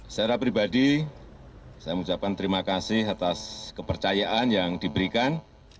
secara pribadi saya mengucapkan terima kasih atas kepercayaan yang diberikan